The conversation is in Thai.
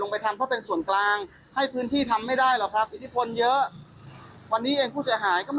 เป็นตัวแทนนะครับ